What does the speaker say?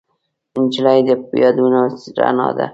نجلۍ د یادونو رڼا ده.